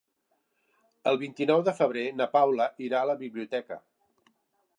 El vint-i-nou de febrer na Paula irà a la biblioteca.